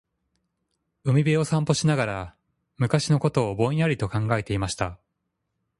•海辺を散歩しながら、昔のことをぼんやりと考えていました。